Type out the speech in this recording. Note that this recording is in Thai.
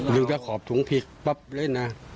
ดึงตะขอบถุงขอบถุงแล้วนี่นะ